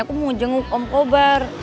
aku mau jenguk om kobar